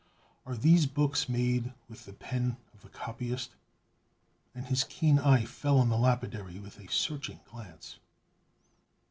"Are these books made with the pen of the copyist?" and his keen eye fell on the lapidary with a searching glance.